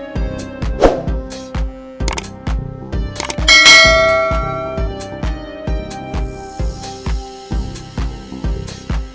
iya itu berhasil